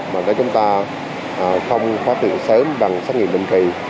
mà để chúng ta không phát hiện sớm bằng xét nghiệm định kỳ